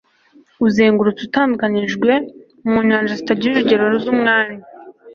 Uzengurutse utandukanijwe mu nyanja zitagira urugero zumwanya